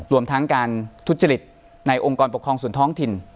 รวมทั้งการทุจริตในองค์กรปกครองส่วนท้องถิ่น